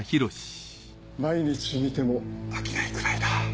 毎日見ても飽きないくらいだ。